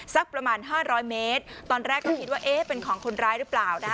สักประมาณ๕๐๐เมตรตอนแรกก็คิดว่าเอ๊ะเป็นของคนร้ายหรือเปล่านะ